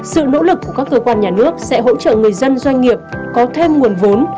sự nỗ lực của các cơ quan nhà nước sẽ hỗ trợ người dân doanh nghiệp có thêm nguồn vốn